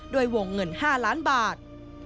ด้วยวงเงิน๕ล้านบาท